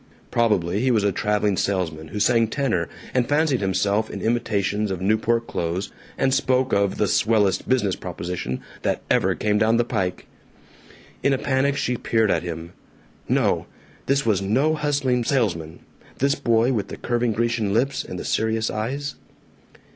Probably he was a traveling salesman who sang tenor and fancied himself in imitations of Newport clothes and spoke of "the swellest business proposition that ever came down the pike." In a panic she peered at him. No! This was no hustling salesman, this boy with the curving Grecian lips and the serious eyes.